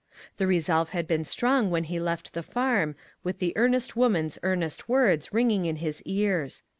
The resolve had been strong when he left the farm, with the earnest woman's earnest •words ringing in his ears.